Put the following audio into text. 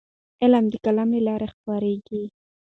علم د قلم له لارې خپرېږي.